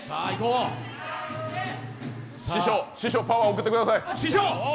師匠、パワーを送ってください。